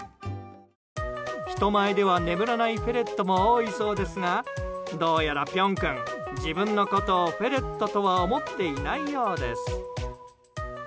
人前では眠らないフェレットも多いそうですがどうやら、ぴょん君自分のことをフェレットとは思っていないようです。